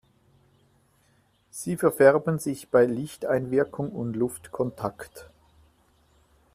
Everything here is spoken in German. Sie verfärben sich bei Lichteinwirkung und Luftkontakt.